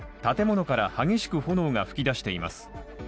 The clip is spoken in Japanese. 建物から激しく炎が噴き出しています。